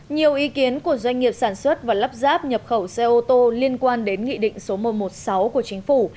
nhiều ý kiến của doanh nghiệp sản xuất và lắp ráp nhập khẩu xe ô tô liên quan đến nghị định số một trăm một mươi sáu của chính phủ